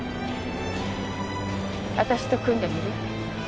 私と組んでみる？